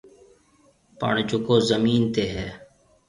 پڻ جڪو زمين تي هيَ۔